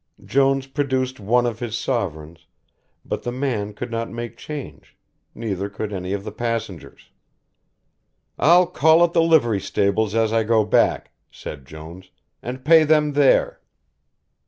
Jones produced one of his sovereigns but the man could not make change, neither could any of the passengers. "I'll call at the livery stables as I go back," said Jones, "and pay them there."